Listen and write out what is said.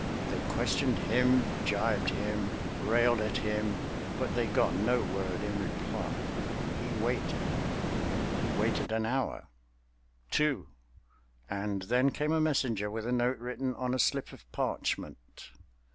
They questioned him, gibed him, railed at him, but they got no word in reply. He waited—he waited an hour, two—and then came a messenger with a note written on a slip of parchment.